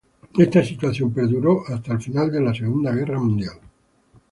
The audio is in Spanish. Esta situación perduró hasta el final de la Segunda Guerra Mundial.